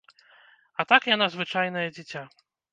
А так яна звычайнае дзіця.